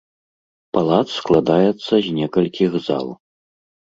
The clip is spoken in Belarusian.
Палац складаецца з некалькіх зал.